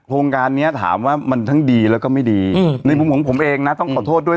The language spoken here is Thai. โครงการเนี้ยถามว่ามันทั้งดีแล้วก็ไม่ดีอืมในมุมของผมเองนะต้องขอโทษด้วย